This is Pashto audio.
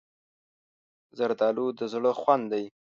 زردالو د زړه خوند دی.